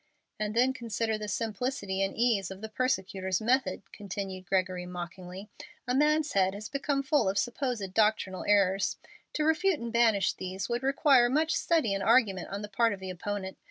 "And then consider the simplicity and ease of the persecutor's method," continued Gregory, mockingly. "A man's head has become full of supposed doctrinal errors. To refute and banish these would require much study and argument on the part of the opponent.